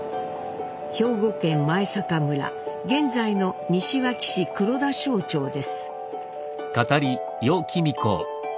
兵庫県前坂村現在の西脇市黒田庄町です。